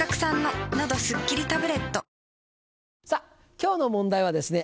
今日の問題はですね